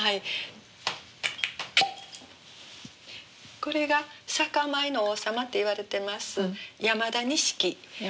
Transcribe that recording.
これが酒米の王様といわれてます山田錦です。